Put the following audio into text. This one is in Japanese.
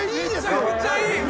めちゃくちゃいい！